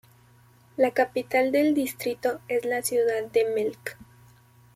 La capital del distrito es la ciudad de Melk.